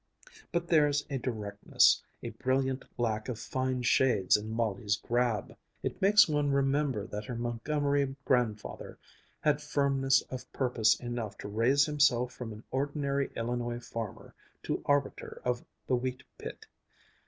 But there's a directness, a brilliant lack of fine shades in Molly's grab.... It makes one remember that her Montgomery grandfather had firmness of purpose enough to raise himself from an ordinary Illinois farmer to arbiter of the wheat pit.